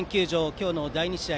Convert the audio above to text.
今日の第２試合